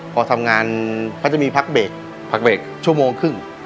พอทำงานเขาจะมีพักเบรกชั่วโมงครึ่ง